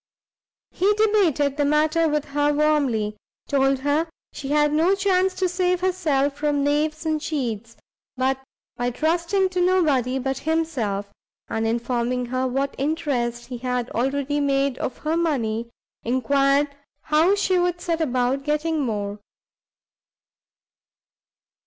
He debated the matter with her warmly, told her she had no chance to save herself from knaves and cheats, but by trusting to nobody but himself, and informing her what interest he had already made of her money, enquired how she would set about getting more?